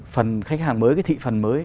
phần khách hàng mới cái thị phần mới